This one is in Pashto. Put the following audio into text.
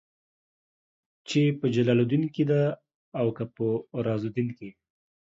چې په جلال الدين کې ده او که په رازالدين کې.